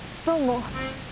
どうも。